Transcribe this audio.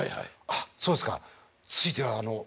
「あっそうですかついてはあの」。